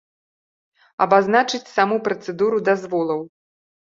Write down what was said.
Абазначыць саму працэдуру дазволаў.